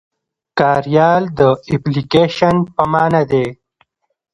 کاریال د اپليکيشن په مانا دی.